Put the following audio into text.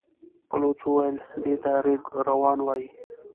بلوڅ وويل: دې ته رېګ روان وايي.